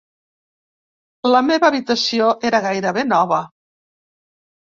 La meva habitació era gairebé nova.